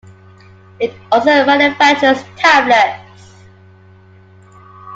It also manufactures tablets.